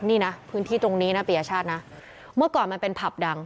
นี่นะพื้นที่ตรงนี้นะปียชาตินะเมื่อก่อนมันเป็นผับดัง